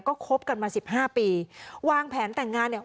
ก็คบกันมาสิบห้าปีวางแผนแต่งงานเนี่ย